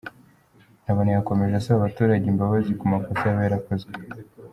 Ntabana yakomeje asaba abaturage imbabazi ku makosa yaba yarakozwe.